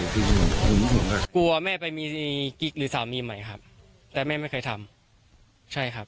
กลัวแม่ไปมีกิ๊กหรือสามีใหม่ครับแต่แม่ไม่เคยทำใช่ครับ